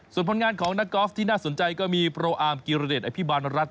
ส่วนผลงานของนักกอล์ฟที่น่าสนใจก็มีโปรอาร์มกิรเดชอภิบาลรัฐ